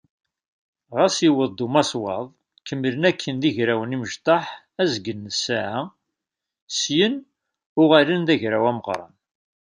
Ɣas yewweḍ-d umaswaḍ, kemmlen akken d igrawen imecṭaḥ azgen n ssaɛa, syen uɣalen d agraw ameqqran.